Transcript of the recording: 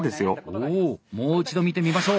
おおもう一度見てみましょう。